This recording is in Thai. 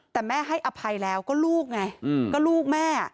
แต่แม่ให้อภัยแล้วก็ลูกไงก็ลูกแม่